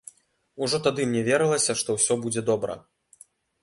Ужо тады мне верылася, што ўсё будзе добра.